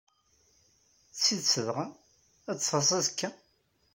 D tidet dɣa, ad d-taseḍ azekka?